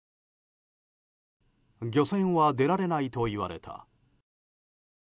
漁船は出られないと言われた。